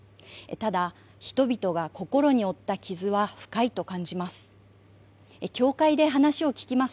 ただ、人々が心に負った傷は深いと感じます。